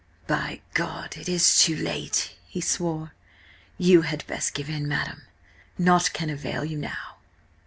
"By God, it is too late!" he swore. "You had best give in, madam–nought can avail you now."